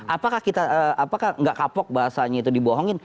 apakah kita apakah nggak kapok bahasanya itu dibohongin